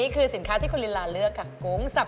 เกี้ยวกุ้งสับ